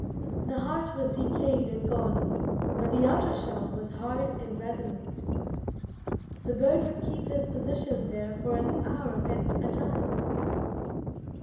The heart was decayed and gone, but the outer shell was hard and resonant. The bird would keep his position there for an hour at a time.